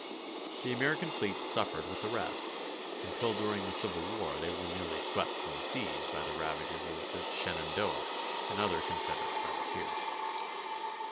The American fleets suffered with the rest, until during the Civil War they were nearly swept from the seas by the ravages of the Shenandoah and other Confederate privateers.